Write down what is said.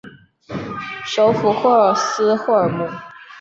首府霍斯霍尔姆。